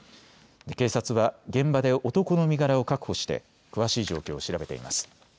警察は現場で男の身柄を確保して詳しい状況を調べています。